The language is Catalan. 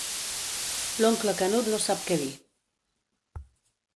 L'oncle Canut no sap què dir.